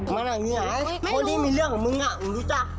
มันอ่ะเงียคนที่มีเรื่องของมึงอ่ะมึงรู้จัก